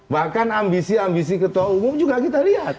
bahkan ambisi ambisi ketua umum juga kita lihat